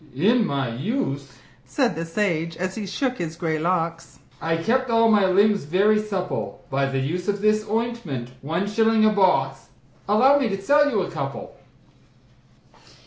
"In my youth," said the sage, as he shook his grey locks, "I kept all my limbs very supple By the use of this ointment one shilling a box Allow me to sell you a couple?"